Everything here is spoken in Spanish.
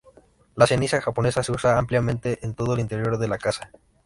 La ceniza japonesa se usa ampliamente en todo el interior de la casa.